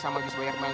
sama gis banyak banget